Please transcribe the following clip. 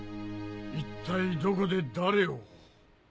一体どこで誰を。